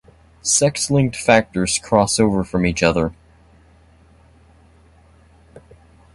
Sex linked factors cross over from each other.